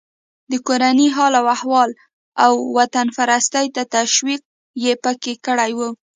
د کورني حال و احوال او وطنپرستۍ ته تشویق یې پکې کړی و.